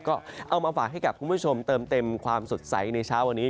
ก็เอามาฝากให้กับคุณผู้ชมเติมเต็มความสดใสในเช้าวันนี้